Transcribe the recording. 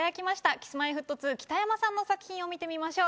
Ｋｉｓ−Ｍｙ−Ｆｔ２北山さんの作品を見てみましょう。